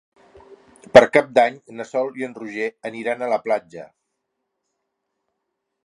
Per Cap d'Any na Sol i en Roger aniran a la platja.